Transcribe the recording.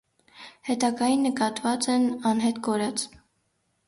Հետագային, նկատուած են՝ անհետ կորած։